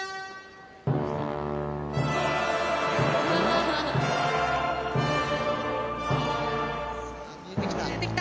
さあ見えてきた。